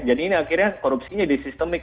jadi ini akhirnya korupsinya jadi sistemik